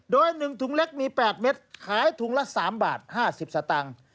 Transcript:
โดย๑ถุงเล็กมี๘เม็ดขายถุงละ๓บาท๕๐สตางค์